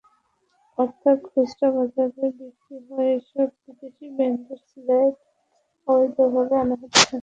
অর্থাৎ খুচরা বাজারে বিক্রি হওয়া এসব বিদেশি ব্র্যান্ডের সিগারেট অবৈধভাবে আনা হচ্ছে।